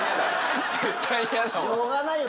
しょうがないよ。